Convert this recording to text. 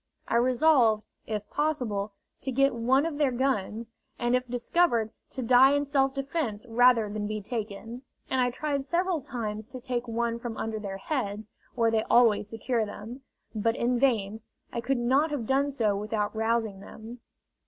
I resolved, if possible, to get one of their guns, and if discovered to die in self defence rather than be taken; and I tried several times to take one from under their heads, where they always secure them. But in vain; I could not have done so without rousing them.